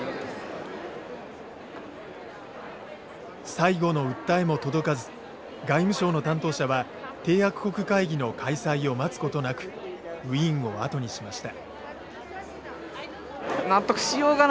最後の訴えも届かず外務省の担当者は締約国会議の開催を待つことなくウィーンを後にしました。